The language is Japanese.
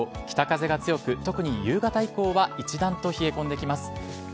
北風が強く、特に夕方以降は一段と冷え込んできます。